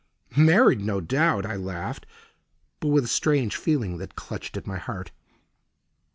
"Married, no doubt," I laughed, but with a strange feeling that clutched at my heart.